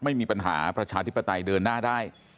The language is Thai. ไม่มีปัญหาประชาธิปไตยเดินหน้าได้